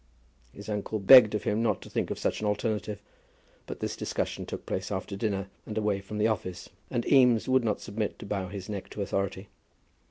His uncle begged of him not to think of such an alternative; but this discussion took place after dinner, and away from the office, and Eames would not submit to bow his neck to authority.